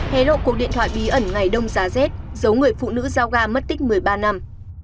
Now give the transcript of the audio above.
hế lộ cuộc điện thoại bí ẩn ngày đông giá rết giấu người phụ nữ giao gà mất tích một mươi ba năm